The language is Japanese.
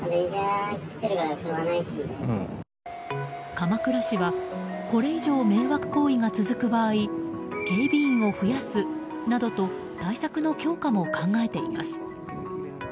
鎌倉市はこれ以上、迷惑行為が続く場合警備員を増やすなどと対策の強化も考えています。